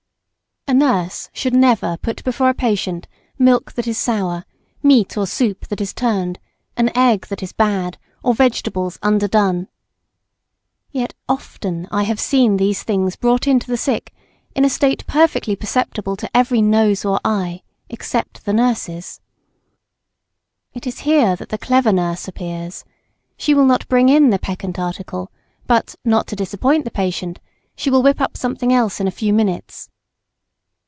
] A nurse should never put before a patient milk that is sour, meat or soup that is turned, an egg that is bad, or vegetables underdone. Yet often I have seen these things brought in to the sick in a state perfectly perceptible to every nose or eye except the nurse's. It is here that the clever nurse appears; she will not bring in the peccant article, but, not to disappoint the patient, she will whip up something else in a few minutes.